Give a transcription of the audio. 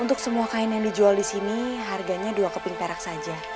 untuk semua kain yang dijual di sini harganya dua keping perak saja